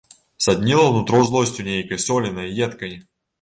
Садніла нутро злосцю нейкай соленай, едкай.